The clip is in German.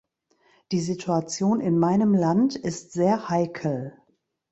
Die Situation in meinem Land ist sehr heikel.